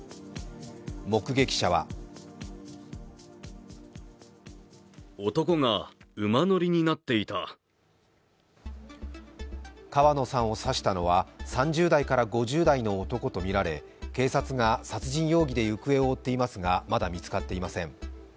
目撃者は川野さんを刺したのは３０代から５０代の男とみられ、警察が殺人容疑で行方を追っていますが、まだ見つかっていません。